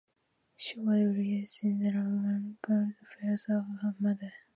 She was raised in the Roman Catholic faith of her mother.